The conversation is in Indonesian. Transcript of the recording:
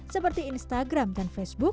seperti instagram dan facebook